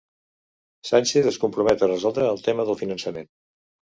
Sánchez es compromet a resoldre el tema del finançament